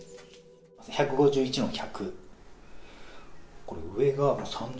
１５１の１００。